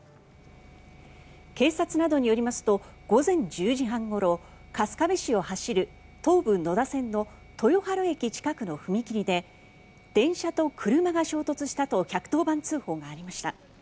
警察などによりますと午前１０時半ごろ春日部市を走る東武野田線の豊春駅近くの踏切で電車と車が衝突したと１１０番通報がありました。